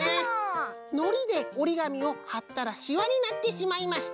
「のりでおりがみをはったらしわになってしまいました。